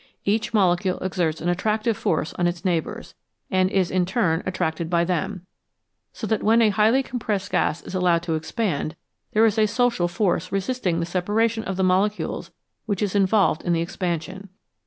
Each molecule exerts an attractive force on its neighbours, and is in turn attracted 186 BELOW ZERO by them, so that when a highly compressed gas is allowed to expand, there is a social force resisting the separation of the molecules which is involved in the expansion.